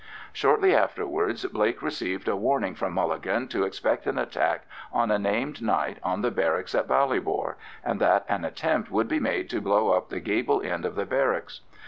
Shortly afterwards Blake received a warning from Mulligan to expect an attack on a named night on the barracks in Ballybor, and that an attempt would be made to blow up the gable end of the barracks.